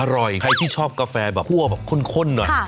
อร่อยใครที่ชอบกาแฟคั่วข้วข้นหน่อย